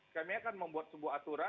kami akan membuat sebuah aturan